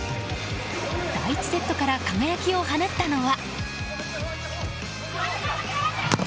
第１セットから輝きを放ったのは。